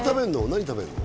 何食べんの？